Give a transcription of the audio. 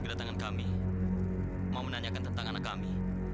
kami ingin bertanya tentang anak kami